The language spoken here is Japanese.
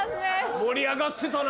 盛り上がってたな。